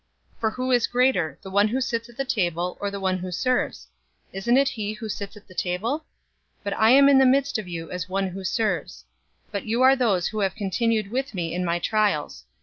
022:027 For who is greater, one who sits at the table, or one who serves? Isn't it he who sits at the table? But I am in the midst of you as one who serves. 022:028 But you are those who have continued with me in my trials.